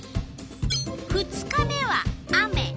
２日目は雨。